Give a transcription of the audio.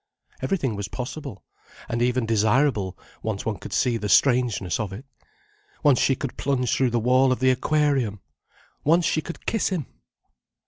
Everything was possible: and even desirable, once one could see the strangeness of it. Once she could plunge through the wall of the aquarium! Once she could kiss him!